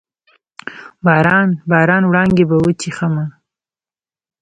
باران، باران وړانګې به وچیښمه